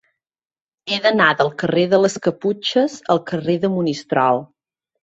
He d'anar del carrer de les Caputxes al carrer de Monistrol.